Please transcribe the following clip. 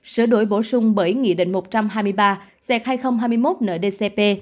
sở đổi bổ sung bởi nghị định một trăm hai mươi ba hai nghìn hai mươi một ndcp